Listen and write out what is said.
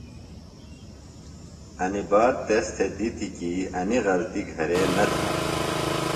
انی بات تس تھےۡ دِتی کی انیۡ غلطی گہرےۡ نہ تھہ۔